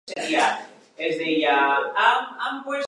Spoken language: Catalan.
Després la frontera baixa pel Barranc de Calderons.